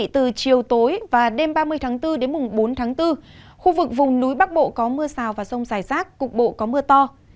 từ chiều tối và đêm ba mươi tháng bốn đến bốn tháng bốn khu vực vùng núi bắc bộ có mưa rào và rông dài rác cục bộ có mưa to